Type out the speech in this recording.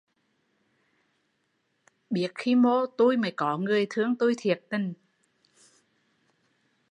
Biết khi mô tui mới có người thương tui thiệt tình